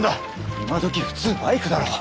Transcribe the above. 今どき普通バイクだろ！？